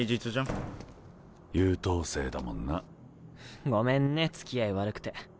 ・バタン優等生だもんな。ごめんねつきあい悪くて。